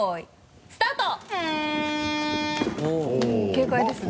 軽快ですね。